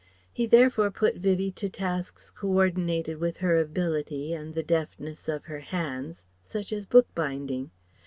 He therefore put Vivie to tasks co ordinated with her ability and the deftness of her hands such as book binding.